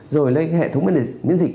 rồi lấy hệ thống miễn dịch